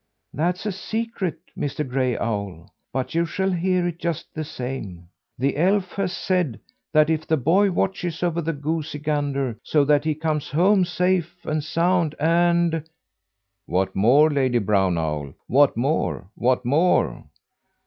"That's a secret, Mr. Gray Owl; but you shall hear it just the same. The elf has said that if the boy watches over the goosey gander, so that he comes home safe and sound, and " "What more, Lady Brown Owl? What more? What more?"